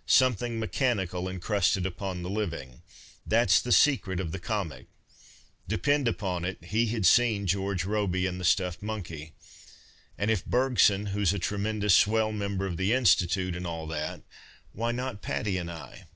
' Something mechanical encrusted upon the living,' that s the secret of the comic. Depend upon it, he had seen George Robey and tiic stuffed monkey. And if Hcrgson, who's a tremendous swell, member of the institute, and all that, wiiy not Patty and I